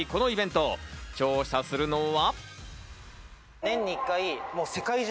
このイベント、調査するのは。